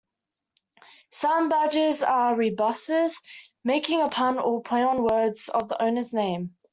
Some badges are rebuses, making a pun or play-on-words of the owner's name.